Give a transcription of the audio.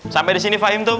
sampai disini fahim tuh